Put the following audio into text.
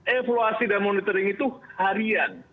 evaluasi dan monitoring itu harian